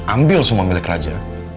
ambil semua milik raja